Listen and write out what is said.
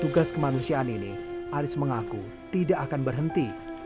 tugas kemanusiaan ini aris mengaku tidak akan berhenti